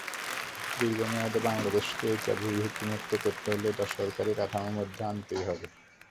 দীর্ঘমেয়াদে বাংলাদেশকে এইচআইভি ঝুঁকিমুক্ত করতে হলে এটা সরকারি কাঠামোর মধ্যে আনতেই হবে।